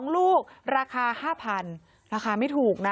๒ลูกราคา๕๐๐๐ราคาไม่ถูกนะ